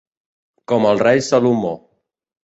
Com el rei Salomó.